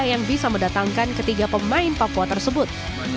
yang bisa mendatangkan ketiga pemain papua tersebut